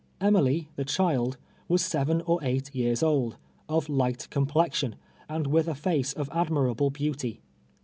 Emily, the child, was seven or eight years old, of light complexion, and with a face of admirable beau ty.